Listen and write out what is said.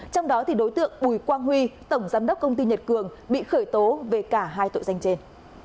trong đó đối tượng bùi quang huy tổng giám đốc công ty nhật cường bị khởi tố về cả hai tội danh trên